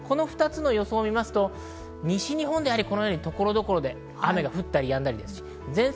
この２つの予想を見ますと、西日本の所々で雨が降ったりやんだりです。